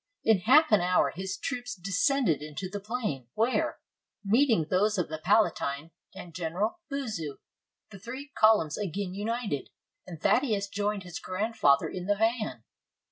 In half an hour his troops descended into the plain, where, meeting those of the palatine and General But 148 POLAND OR RUSSIA? zou, the three columns again united, and Thaddeus joined his grandfather in the van.